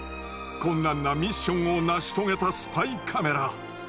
困難なミッションを成し遂げたスパイカメラ。